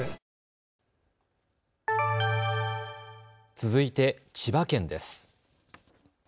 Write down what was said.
続いて千葉県です。